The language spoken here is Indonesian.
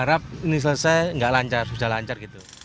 harap ini selesai nggak lancar sudah lancar gitu